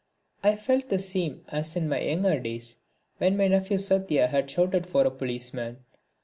I felt the same as in my younger days when my nephew Satya had shouted for a policeman.